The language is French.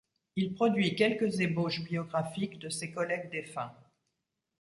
Il produit quelques ébauches biographiques de ses collègues défunts.